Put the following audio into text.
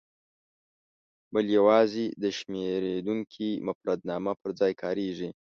بل یوازې د شمېرېدونکي مفردنامه پر ځای کاریږي.